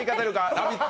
「ラヴィット！」